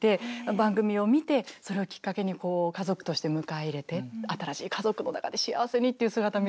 番組を見てそれをきっかけに家族として迎え入れて新しい家族の中で幸せにっていう姿見るとね